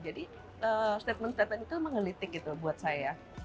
jadi statement statement itu emang ngelitik gitu buat saya